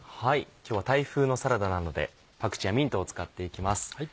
今日はタイ風のサラダなのでパクチーやミントを使っていきます。